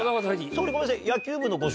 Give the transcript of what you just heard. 総理ごめんなさい。